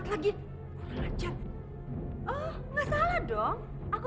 kalau jiwamu ingin selamat